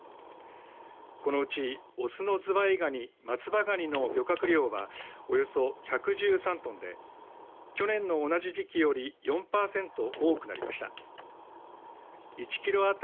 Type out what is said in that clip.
このうち、雄のズワイガニ松葉がにの漁獲量はおよそ１１３トンで去年の同じ時期より４パーセント多くなりました。